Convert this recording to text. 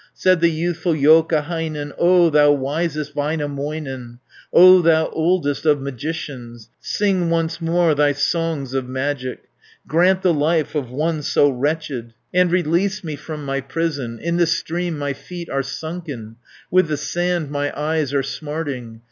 Said the youthful Joukahainen, "O thou wisest Väinämöinen, 450 O thou oldest of magicians, Sing once more thy songs of magic, Grant the life of one so wretched, And release me from my prison. In the stream my feet are sunken, With the sand my eyes are smarting.